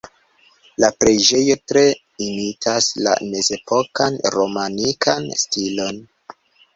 La preĝejo tre imitas la mezepokan romanikan stilon.